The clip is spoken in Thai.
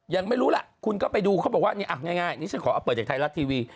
ยังไม่รู้ล่ะคุณก็ไปดูเขาบอกว่านี่อ่ะง่ายนี่ฉันขอเอาเปิดจากไทยรัฐทีวี